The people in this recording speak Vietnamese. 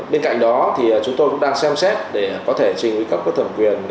bên cạnh đó chúng tôi cũng đang xem xét để có thể trình với các cơ thẩm quyền